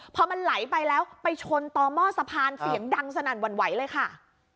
พอมันไหลไปแล้วไปชนต่อหม้อสะพานเสียงดังสนั่นหวั่นไหวเลยค่ะ